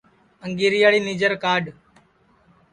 انگریاڑِ نیجر کاڈھ